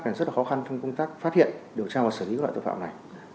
rất là khó khăn không cộng tác phát hiện điều tra và xử lý loại tội phạm này